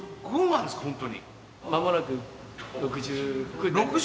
間もなく６６に。